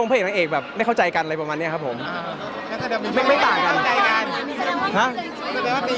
ไม่มีอะไรไม่มีแค่เก่งภาพโรงการอรูป